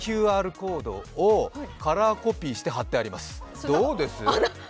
ＱＲコードをカラーコピーして貼ってあります、どうです？